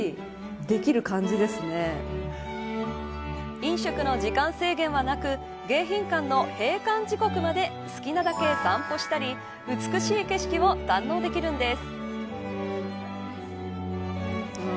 飲食の時間制限はなく迎賓館の閉館時刻まで好きなだけ散歩したり美しい景色を堪能できるんです。